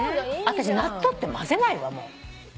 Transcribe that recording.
あたし納豆ってまぜないわもう。